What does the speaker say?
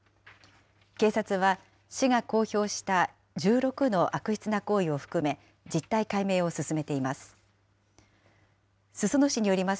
警察は、市が公表した１６の悪質な行為を含め、実態解明を進めています。